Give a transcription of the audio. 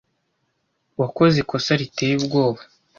Wakoze ikosa riteye ubwoba.